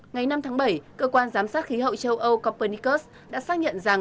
ngày năm tháng bảy cơ quan giám sát khí hậu châu âu copennicus đã xác nhận rằng